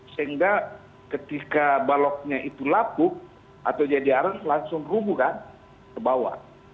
sehingga ketika baloknya itu lapuk atau jadi aras langsung rumuhkan ke bawah